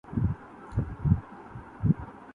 نورہ کا استعمال انبیائے الہی کی سنت